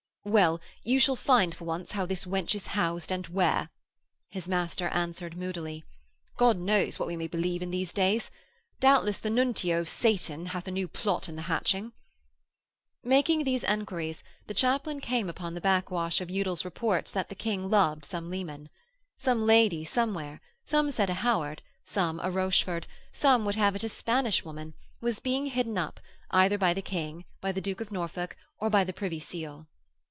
'Well, you shall find for once how this wench is housed and where,' his master answered moodily. 'God knows what we may believe in these days. Doubtless the Nuntio of Satan hath a new plot in the hatching.' Making these enquiries, the chaplain came upon the backwash of Udal's reports that the King loved some leman. Some lady, somewhere some said a Howard, some a Rochford, some would have it a Spanish woman was being hidden up, either by the King, by the Duke of Norfolk, or by Privy Seal.